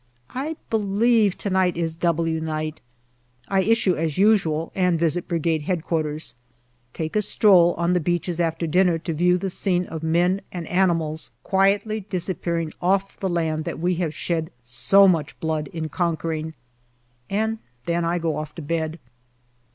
I believe to night is " W " night. I issue as usual, and visit Brigade H.Q. Take a stroll on the beaches after dinner to view the scene of men and animals quietly disappearing off the land that we have shed so much blood in conquering, and then I go off to bed.